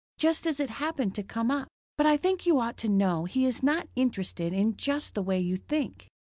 Just as it happened to come up. But I think you ought to know he is not interested in just the way you think."